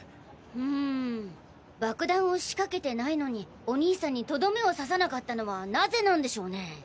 うん爆弾を仕掛けてないのにお兄さんにとどめを刺さなかったのは何故なんでしょうね？